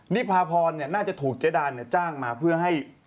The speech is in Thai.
นิพาพรน่าจะถูกเจ๊ดานจ้างมาเพื่อให้